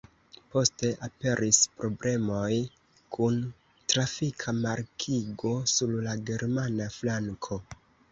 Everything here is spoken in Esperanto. Poste aperis problemoj kun trafika markigo sur la germana flanko.